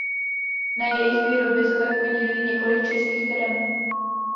Na jejich výrobě se tak podílí několik českých firem.